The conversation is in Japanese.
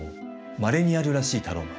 まれにあるらしいタローマン。